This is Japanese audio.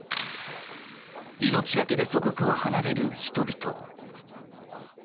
命がけで祖国を離れる人々。